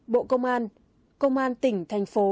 bộ công an công an tỉnh thành phố